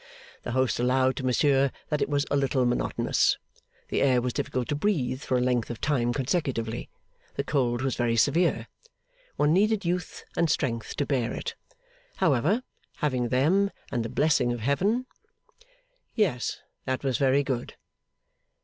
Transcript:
The host allowed to Monsieur that it was a little monotonous. The air was difficult to breathe for a length of time consecutively. The cold was very severe. One needed youth and strength to bear it. However, having them and the blessing of Heaven Yes, that was very good.